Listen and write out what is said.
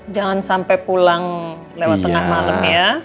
jangan sampai pulang lewat tengah malam ya